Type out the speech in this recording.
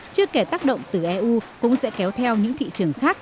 chưa kể tác động từ eu cũng sẽ kéo theo những thị trường khác